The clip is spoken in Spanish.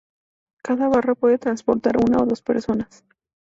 Cada barra puede transportar una o dos personas.